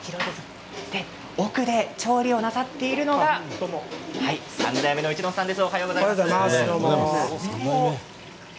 調理をなさっているのが３代目の市瀬さんです。